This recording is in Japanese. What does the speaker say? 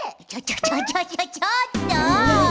ちょちょちょちょっと！